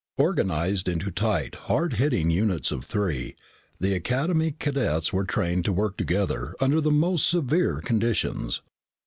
Organized into tight, hard hitting units of three, the Academy cadets were trained to work together under the most severe conditions.